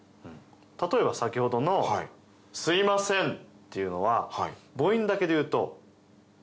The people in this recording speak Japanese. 例えば先ほどの。っていうのは母音だけで言うと。